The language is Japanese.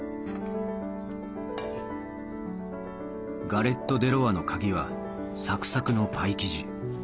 ガレット・デ・ロワの鍵はサクサクのパイ生地。